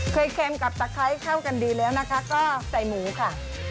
เค็มกับตะไคร้เข้ากันดีแล้วนะคะก็ใส่หมูค่ะ